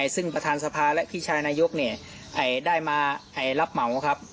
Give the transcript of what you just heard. ซึ่งประธานสภาและพี่ชายนายกได้มารับเหมาครับ